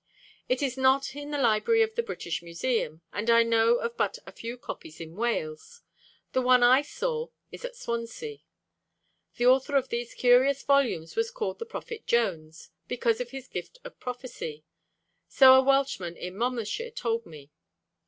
It is not in the library of the British Museum, and I know of but a few copies in Wales; the one I saw is at Swansea. The author of these curious volumes was called the Prophet Jones, because of his gift of prophecy so a Welshman in Monmouthshire told me.